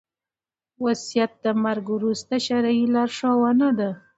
وصيت د مرګ وروسته شرعي لارښوونه ده